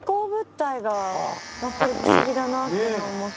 やっぱり不思議だなって思って。